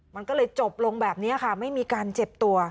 มันก็เลยจบลงแบบนี้ค่ะไม่มีการเจ็บตัว